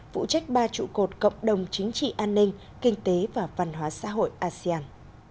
vụ trách ba trụ cột cộng đồng chính trị an ninh kinh tế và văn hóa xã hội asean